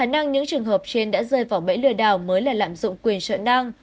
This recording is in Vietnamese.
những trường hợp trên đã rơi vào bẫy lừa đảo mới là lạm dụng quyền sợ năng